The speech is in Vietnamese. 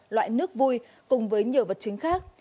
loại nước vui cùng với nhiều vật chứng khác